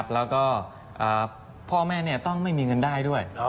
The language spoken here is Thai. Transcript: แล้วก็พ่อแม่ต้องไม่มีเงินได้ด้วย